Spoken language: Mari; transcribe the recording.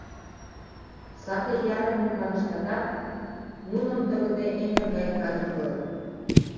Саде ярымым падыштатат, нуным тыгыде эҥыр гай кадыртылыт.